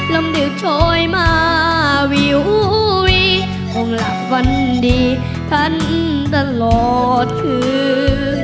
ลำดึกช้อยมาวิววิคงหลับฝันดีทันตลอดคืน